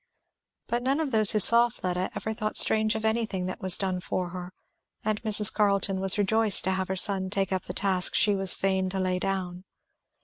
But none of those who saw Fleda ever thought strange of anything that was done for her; and Mrs. Carleton was rejoiced to have her son take up the task she was fain to lay down.